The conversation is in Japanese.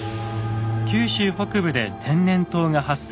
九州北部で天然痘が発生。